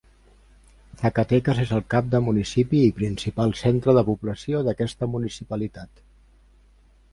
Zacatecas és el cap de municipi i principal centre de població d'aquesta municipalitat.